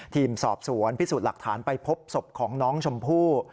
ทีมสอบสวนพิสูจน์หลักฐานไปพบศพของน้องชมพู่